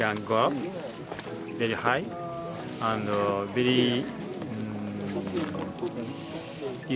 sangat mudah untuk berlari